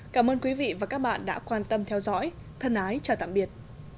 cảm ơn quý vị và các bạn đã quan tâm theo dõi thân ái chào tạm biệt